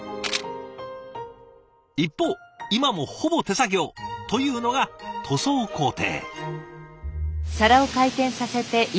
一方今もほぼ手作業というのが塗装工程。